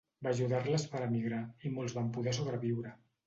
Va ajudar-les per emigrar, i molts van poder sobreviure.